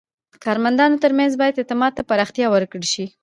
د کارمندانو ترمنځ باید اعتماد ته پراختیا ورکړل شي.